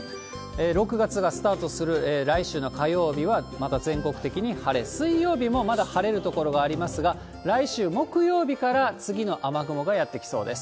６月がスタートする来週の火曜日は、また全国的に晴れ、水曜日もまだ晴れる所がありますが、来週木曜日から次の雨雲がやって来そうです。